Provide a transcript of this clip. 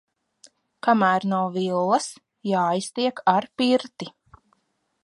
Kamēr nav villas, jāiztiek ar pirti.